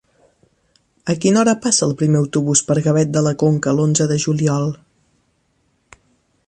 A quina hora passa el primer autobús per Gavet de la Conca l'onze de juliol?